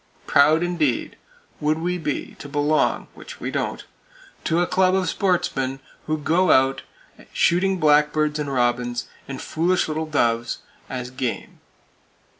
Proud indeed, would we be to belong (which we don't) to a club of "sportsmen" who go out shooting blackbirds, and robins, and foolish little doves, as "game!"